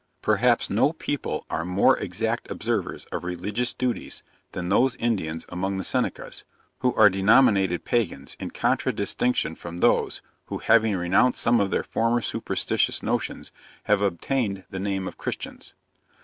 Perhaps no people are more exact observers of religious duties than those Indians among the Senecas, who are denominated pagans, in contradistinction from those, who, having renounced some of their former superstitious notions, have obtained the name of Christians.